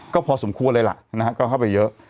ก็พอสมควรเลยล่ะนะฮะก็เข้าไปเยอะ